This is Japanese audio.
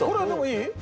いい？